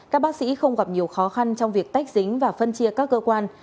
các bác sĩ không gặp nhiều khó khăn trong việc tách dính và phân chia các cơ quan